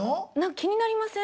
気になりません？